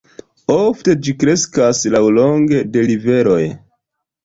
Ofte ĝi kreskas laŭlonge de riveroj.